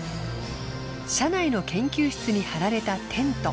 社内の研究室に張られたテント。